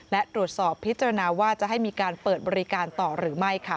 และตรวจสอบพิจารณาว่าจะให้มีการเปิดบริการต่อหรือไม่